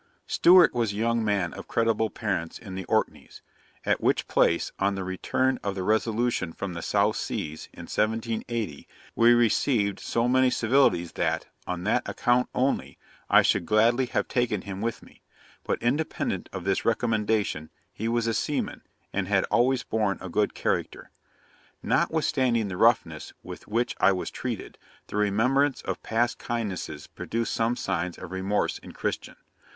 ] 'Stewart was a young man of creditable parents in the Orkneys; at which place, on the return of the Resolution from the South Seas, in 1780, we received so many civilities that, on that account only, I should gladly have taken him with me: but, independent of this recommendation, he was a seaman, and had always borne a good character. 'Notwithstanding the roughness with which I was treated, the remembrance of past kindnesses produced some signs of remorse in Christian.